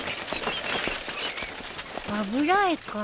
油絵か。